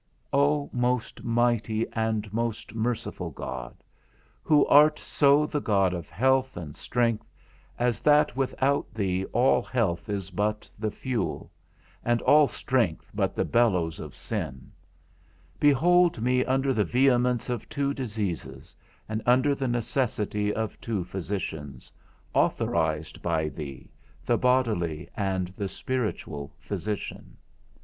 O most mighty and most merciful God, who art so the God of health and strength, as that without thee all health is but the fuel, and all strength but the bellows of sin; behold me under the vehemence of two diseases, and under the necessity of two physicians, authorized by thee, the bodily, and the spiritual physician.